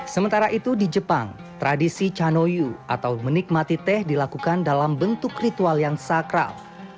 sementara itu di jepang tradisi chanoyu atau menikmati teh dilakukan dalam bentuk ritual yang sakral